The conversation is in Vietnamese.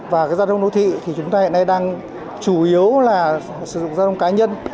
và gia đông đô thị thì chúng ta hiện nay đang chủ yếu là sử dụng gia đông cá nhân